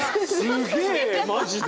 すげえマジで。